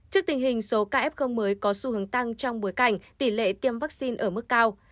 trước tình hình số ca f mới có xu hướng tăng trong bối cảnh tỷ lệ tiêm vaccine ở mức cao